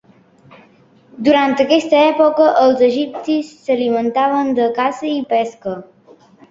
Durant aquesta època els egipcis s'alimentaven de caça i pesca.